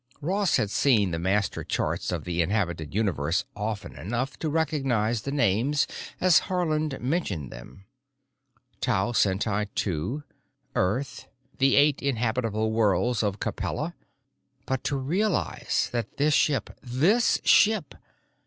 Ross had seen the master charts of the inhabited universe often enough to recognize the names as Haarland mentioned them: Tau Ceti II, Earth, the eight inhabitable worlds of Capella. But to realize that this ship—this ship!